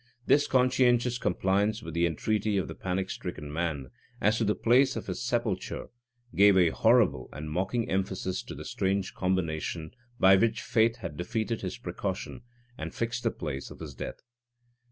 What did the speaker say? This conscientious compliance with the entreaty of the panic stricken man as to the place of his sepulture gave a horrible and mocking emphasis to the strange combination by which fate had defeated his precaution, and fixed the place of his death.